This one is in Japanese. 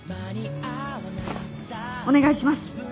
お願いします。